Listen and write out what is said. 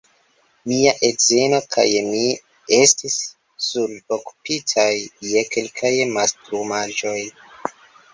Mia edzino kaj mi estis nur okupitaj je kelkaj mastrumaĵoj.